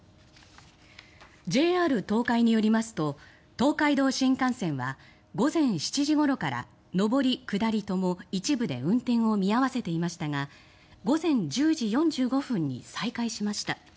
ＪＲ東海によりますと東海道新幹線は午前７時ごろから上り下りとも一部で運転を見合わせていましたが午前１０時４５分に再開しました。